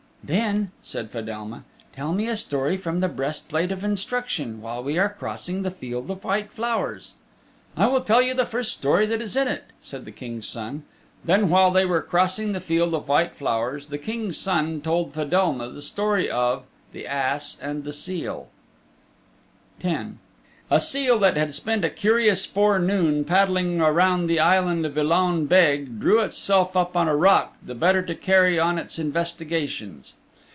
'" "Then," said Fedelma, "tell me a story from 'The Breastplate of Instruction,' while we are crossing this field of white flowers." "I will tell you the first story that is in it," said the King's Son. Then while they were crossing the field of white flowers the King's Son told Fedelma the story of The Ass and the Seal X A seal that had spent a curious fore noon paddling around the island of Ilaun Beg drew itself up on a rock the better to carry on its investigations.